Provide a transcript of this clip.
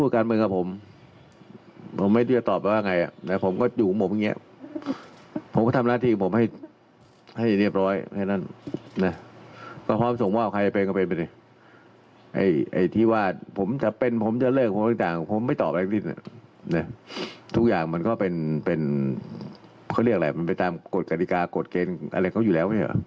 เขาเรียกแหละก็ไปตามกฎกฎิกากฎเกณฑ์อะไรก็อยู่แล้ว